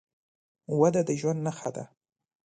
وده د ژوند نښه ده.